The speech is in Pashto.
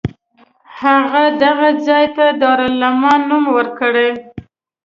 هغه دغه ځای ته دارالامان نوم ورکړ.